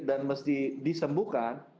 dan mesti disembuhkan